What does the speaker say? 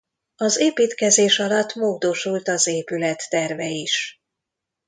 Az építkezés alatt módosult az épület terve is.